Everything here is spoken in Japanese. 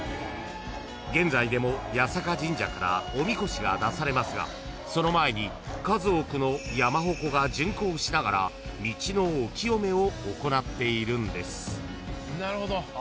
［現在でも八坂神社からおみこしが出されますがその前に数多くの山鉾が巡行しながら道のお清めを行っているんです］